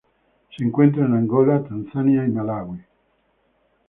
Se encuentra en Angola, Tanzania y Malaui.